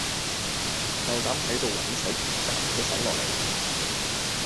夠膽喺度搵食？斬佢隻手落嚟！